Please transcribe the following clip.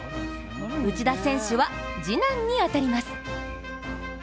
内田選手は次男に当たります。